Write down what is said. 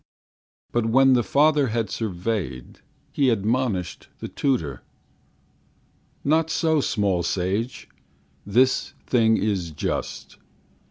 But when the father had surveyed, He admonished the tutor: "Not so, small sage! This thing is just.